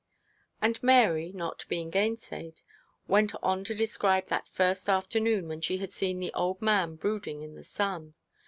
And Mary, not being gainsayed, went on to describe that first afternoon when she had seen the old man brooding in the sun.